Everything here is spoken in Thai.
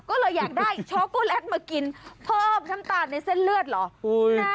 ก็เลยอยากได้ช็อกโกแลตมากินเพิ่มน้ำตาลในเส้นเลือดเหรอ